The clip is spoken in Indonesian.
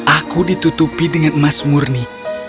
aku ditutupi dengan emas murni